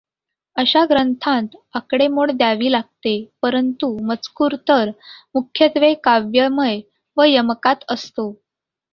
अशा ग्रंथांत आकडेमोड द्यावी लागते परंतु मजकूर तर मुख्यत्वे काव्यमय व यमकात असतो.